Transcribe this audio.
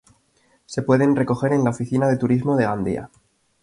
Se pueden recoger en la Oficina de Turismo de Gandía.